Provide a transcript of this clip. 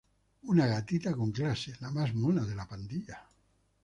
Una gatita con clase: la más mona de la pandilla.